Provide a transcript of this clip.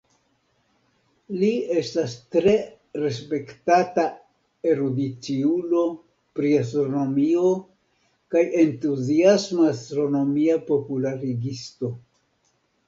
Li estas tre respektata erudiciulo pri astronomio kaj entuziasma astronomia popularigisto.